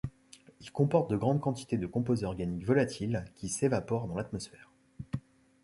Ils comportent de grandes quantités de composés organiques volatils qui s’évaporent dans l’atmosphère.